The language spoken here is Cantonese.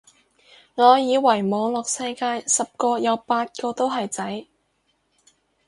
我以為網絡世界十個有八個都係仔